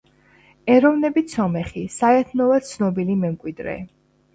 ეროვნებით სომეხი, საიათნოვას ცნობილი მემკვიდრე.